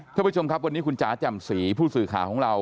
ท่านผู้ชมครับวันนี้คุณจ๋าแจ่มสีผู้สื่อข่าวของเรา